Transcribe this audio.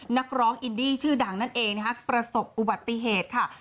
นักร้องอินดี้ชื่อดังนั่นเองนะคะประสบอุบัติเหตุค่ะ